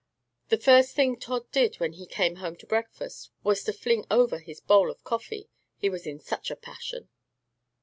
"The first thing Tod did, when he came home to breakfast, was to fling over his bowl of coffee, he was in such a passion.